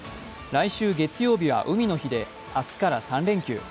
来週月曜日は海の日で、明日から３連休。